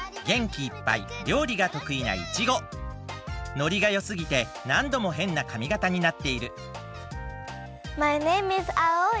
ノリがよすぎてなんどもへんなかみがたになっているマイネームイズアオイ。